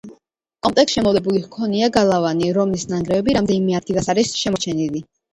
კომპლექსს შემოვლებული ჰქონია გალავანი, რომლის ნანგრევები რამდენიმე ადგილას არის შემორჩენილი.